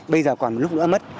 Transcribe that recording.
bây giờ còn lúc nữa mất